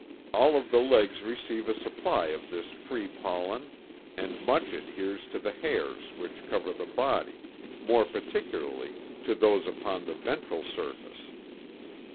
All of the legs receive a supply of this free pollen and much adheres to the hairs which cover the body, more particularly to those upon the ventral surface.